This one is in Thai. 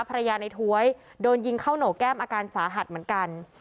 ภรรยาในถ้วยโดนยิงเข้าโหนกแก้มอาการสาหัสเหมือนกัน